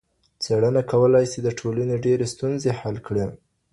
څېړنه کولای سي د ټولني ډېرې ستونزي حل کړي.